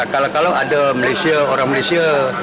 kalau ada orang malaysia